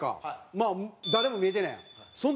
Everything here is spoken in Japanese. まあ誰も見えてないやん。